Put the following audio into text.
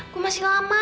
gue masih lama